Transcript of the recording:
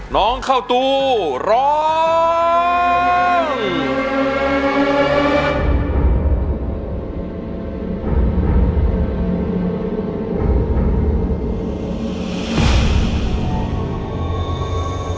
น้องข้าวตูร้อง